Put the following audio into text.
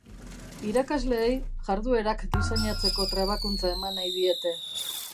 Irakasleei jarduerak diseinatzeko trebakuntza eman nahi diete.